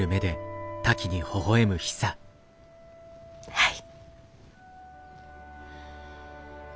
はい。